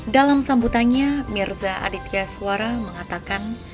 dalam sambutannya mirza aditya suara mengatakan